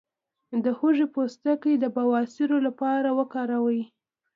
د هوږې پوستکی د بواسیر لپاره وکاروئ